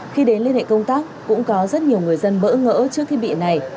khi đến liên hệ công tác cũng có rất nhiều người dân bỡ ngỡ trước thiết bị này